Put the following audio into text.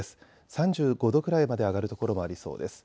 ３５度くらいまで上がる所もありそうです。